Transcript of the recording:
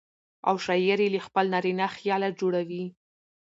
او شاعر يې له خپل نارينه خياله جوړوي.